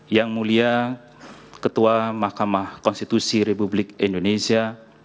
yang mulia ketua mahkamah konstitusi republik indonesia